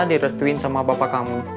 direstuin sama bapak kamu